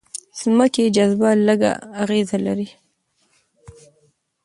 ځمکې جاذبه لږ اغېز لري.